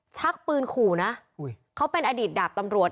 ชักปืนขู่นะเขาเป็นอดีตดาบตำรวจ